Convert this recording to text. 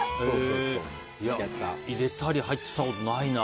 入れたり、入ってたことないな。